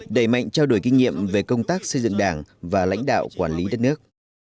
đẩy mạnh trao đổi kinh nghiệm về công tác xây dựng đảng và lãnh đạo quản lý đất nước